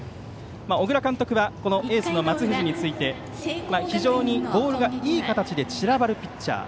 小倉監督はエースの松藤について非常にボールがいい形で散らばるピッチャー。